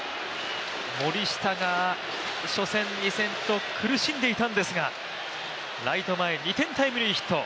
森下が初戦２戦と苦しんでいたんですがライト前、２点タイムリーヒット。